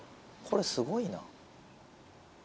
これすごいな。